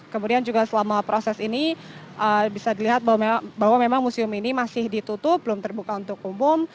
kemudian juga selama proses ini bisa dilihat bahwa memang museum ini masih ditutup belum terbuka untuk umum